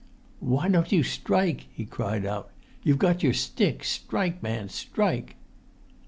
"Why don't you strike?" he cried out. "You've got your stick; strike, man, strike!"